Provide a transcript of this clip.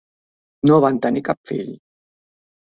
No van tenir cap fill.